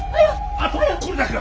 あとこれだけは。